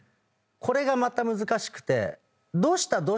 これがまた難しくてどうした？